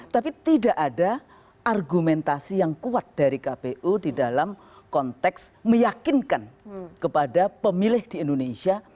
tapi tidak ada argumentasi yang kuat dari kpu di dalam konteks meyakinkan kepada pemilih di indonesia